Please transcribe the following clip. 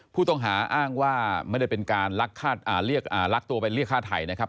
ผู้ต้องหาอ้างว่าไม่ได้เป็นการลักตัวไปเรียกฆ่าไทยนะครับ